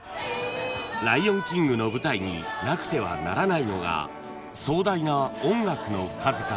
［『ライオンキング』の舞台になくてはならないのが壮大な音楽の数々］